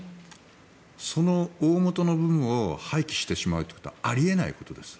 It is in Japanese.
その大元の部分を廃棄してしまうというのはあり得ないことです。